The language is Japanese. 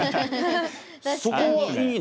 そこはいいの？